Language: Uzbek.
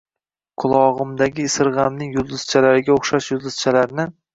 qulog‘imdagi sirg‘amning yulduzchalariga o‘xshash yulduzchalarni…